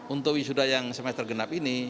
untuk wisuda yang semester genap ini